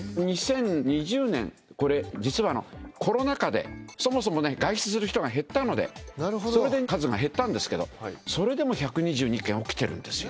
２０２０年これ実はコロナ禍でそもそも外出する人が減ったのでそれで数が減ったんですけどそれでも１２２件起きてるんです。